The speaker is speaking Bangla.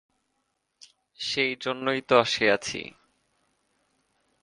সেইজন্যই তো আসিয়াছি।